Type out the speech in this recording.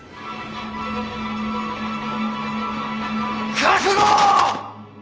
覚悟！